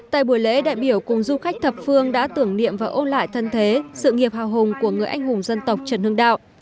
tại buổi lễ đại biểu cùng du khách thập phương đã tưởng niệm và ôn lại thân thế sự nghiệp hào hùng của người anh hùng dân tộc trần hưng đạo